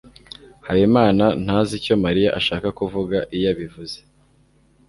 habimana ntazi icyo mariya ashaka kuvuga iyo abivuze